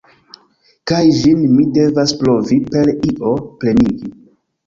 Kaj ĝin mi devas provi per io plenigi.